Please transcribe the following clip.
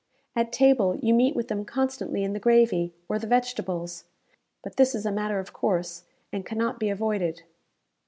At table you meet with them constantly in the gravy, or the vegetables; but this is a matter of course, and cannot be avoided.